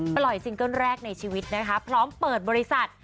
ปล่อยซิงเกิลแรกในชีวิตพร้อมเปิดบริษัท